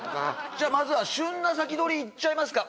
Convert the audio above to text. じゃあまずは旬なサキドリいっちゃいますか？